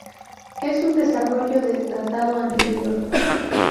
Es un desarrollo del tratado anterior.